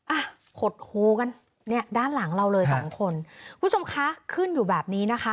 อ่ะขดหูกันเนี่ยด้านหลังเราเลยสองคนคุณผู้ชมคะขึ้นอยู่แบบนี้นะคะ